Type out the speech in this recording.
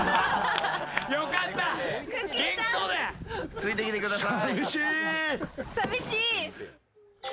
ついてきてください。